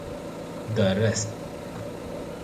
The resp.